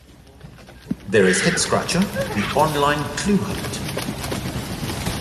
There is headscratcher, the online clue-hunt.